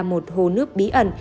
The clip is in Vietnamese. một hồ nước bí ẩn